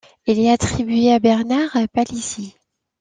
Il est attribué à Bernard Palissy.